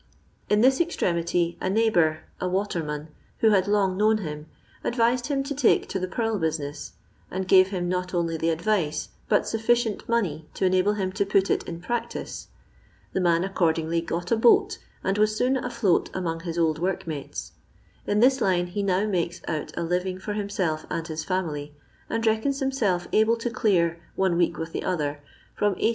In this extremity a neighbour, a waterman, who had long known him, advised him to take to the purl business, and gave him not only the advice, but sufficient money to enable him to put it in practice. The man accordingly got a boat, and was soon afloat among his old workmates. In this line he now makes ont a living for himself and his family, and reckons himself able to clear, one week with the other, from 18s.